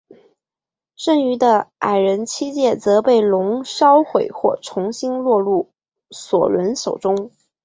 剩余的矮人七戒则被龙烧毁或重新落入索伦手中。